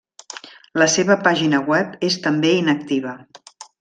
La seva pàgina web és també inactiva.